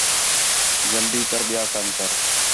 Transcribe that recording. جلدی کر ٻِیا کم کر